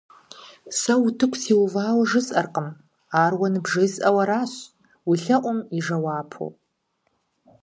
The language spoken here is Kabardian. Сэ утыку сиувауэ жысӏэркъым, ар уэ ныбжесӏэу аращ, уи лъэӏум и жэуапу.